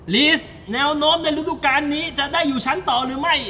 ลีสแนวโน้มในฤดูการนี้จะได้อยู่ชั้นต่อหรือไม่